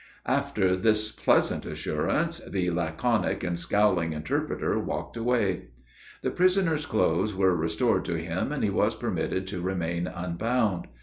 After this pleasant assurance, the laconic and scowling interpreter walked away. The prisoner's clothes were restored to him, and he was permitted to remain unbound.